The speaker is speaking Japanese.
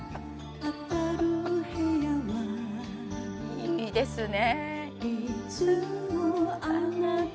いいですね。